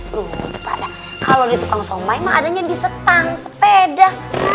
loh pada kalau di tukang saumai mah adanya di setang sepeda